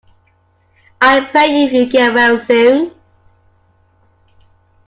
I pray you will get well soon.